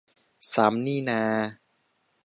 ซ้ำนี่นา